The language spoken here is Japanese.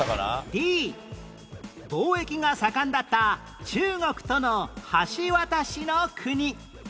Ｄ 貿易が盛んだった中国との橋渡しの国